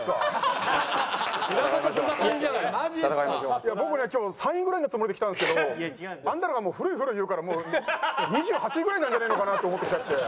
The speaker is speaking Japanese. いや僕ね今日３位ぐらいのつもりで来たんですけどあんたらがもう「古い古い」言うから２８位ぐらいなんじゃねえのかなと思ってきちゃって。